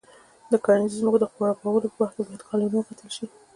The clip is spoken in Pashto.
د کرنیزو ځمکو د خړوبولو په وخت کې باید کانالونه وکتل شي.